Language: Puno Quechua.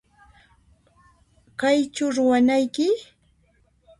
Kaychu ruwanayki?